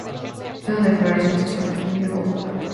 El período de floración se extiende de junio a agosto.